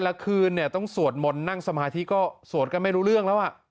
ละคืนเนี่ยต้องสวดมนต์นั่งสมาธิก็สวดกันไม่รู้เรื่องแล้วอ่ะ